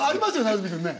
安住くんね。